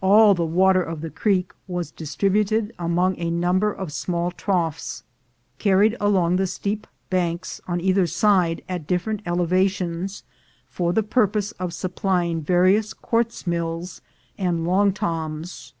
All the water of the creek was distributed among a number of small troughs, carried along the steep banks on either side at different elevations, for the purpose of supplying various quartz mills and long toms.